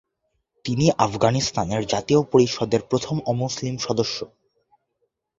তিনি আফগানিস্তানের জাতীয় পরিষদের প্রথম অমুসলিম সদস্য।